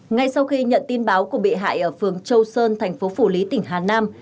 ngay sau khi nhận tin báo của bị hại ở phường châu sơn thành phố phủ lý tỉnh hà nam